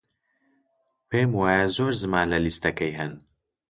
پێم وایە زۆر زمان لە لیستەکەی هەن.